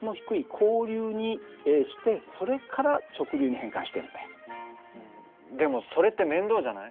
だからでもそれって面倒じゃない？